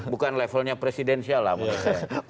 bukan levelnya presidensial lah menurut saya